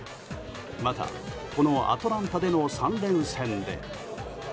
また、このアトランタでの３連戦で。